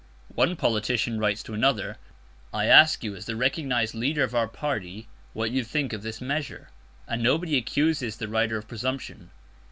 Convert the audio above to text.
One politician writes to another: "I ask you as the recognized leader of our party what you think of this measure;" and nobody accuses the writer of presumption.